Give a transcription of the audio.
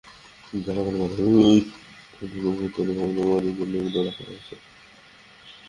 জানা গেল, মাঠের পাশে নির্মিতব্য বহুতল ভবনের কাজের জন্যই এগুলো রাখা হয়েছে।